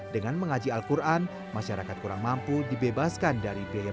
dengan mengaji al quran masyarakat kurang mampu dibebaskan dari biaya